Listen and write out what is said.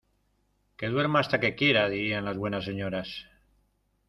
¡Que duerma hasta que quiera! dirían las buenas señoras.